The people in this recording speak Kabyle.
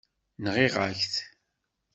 Nɣiɣ-ak-t.